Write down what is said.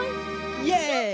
イエイ！